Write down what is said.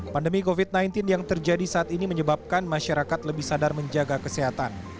pandemi covid sembilan belas yang terjadi saat ini menyebabkan masyarakat lebih sadar menjaga kesehatan